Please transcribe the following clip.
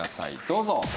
どうぞ！